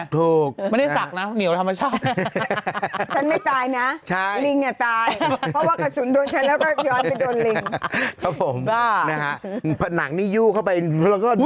ถ้าเกิดน้องครับเขาไม่รู้